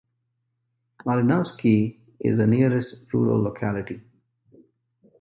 Malinovsky is the nearest rural locality.